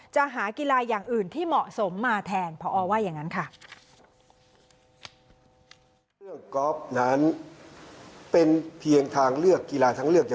จะหากีฬาอย่างอื่นที่เหมาะสมมาแทนพอว่าอย่างนั้นค่ะ